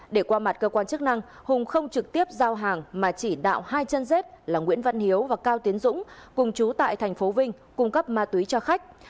để qua mặt cơ quan chức năng hùng không trực tiếp giao hàng mà chỉ đạo hai chân dép là nguyễn văn hiếu và cao tiến dũng cùng trú tại thành phố vinh cung cấp ma túy cho khách